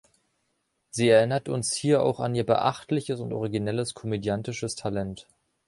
Sie erinnert uns hier auch an ihr beachtliches und originelles komödiantisches Talent.